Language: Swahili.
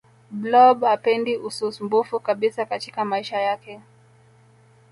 blob hapendi ususmbufu kabisa katika maisha yake